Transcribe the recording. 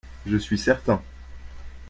Je suis certain.